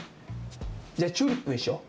じゃあ「チューリップ」にしよう。